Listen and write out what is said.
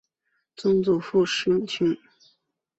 曾祖父石永清。